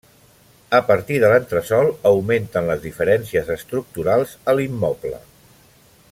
A partir de l'entresòl augmenten les diferències estructurals a l'immoble.